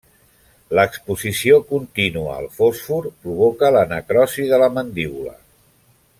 L'exposició contínua al fòsfor provoca la necrosi de la mandíbula.